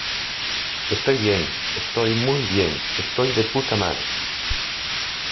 estoy bien. estoy muy bien, estoy de_puta_madre .